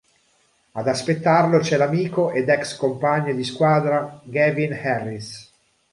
Ad aspettarlo c'è l'amico ed ex compagno di squadra Gavin Harris.